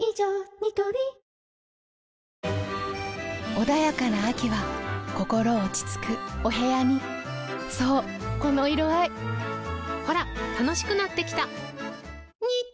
ニトリ穏やかな秋は心落ち着くお部屋にそうこの色合いほら楽しくなってきた！